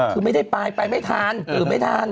คือไม่ได้ไปไปไม่ทันหรือไม่ทัน